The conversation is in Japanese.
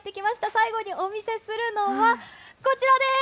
最後にお見せするのは、こちらです。